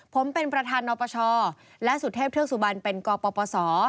ผมเป็นประธานรปชและสุทธิบเทศสุบันเป็นกปส